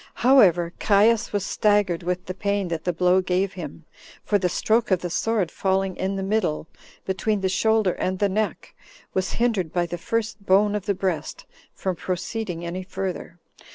However, Caius was staggered with the pain that the blow gave him; for the stroke of the sword falling in the middle, between the shoulder and the neck, was hindered by the first bone of the breast from proceeding any further.